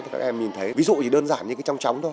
thì các em nhìn thấy ví dụ thì đơn giản như cái trong tróng thôi